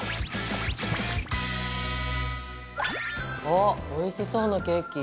あっおいしそうなケーキ。